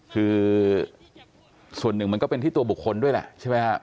คือส่วนหนึ่งมันก็เป็นที่ตัวบุคคลด้วยแหละใช่ไหมฮะ